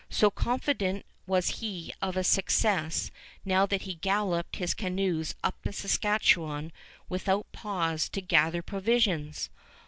So confident was he of success now that he galloped his canoes up the Saskatchewan without pause to gather provisions.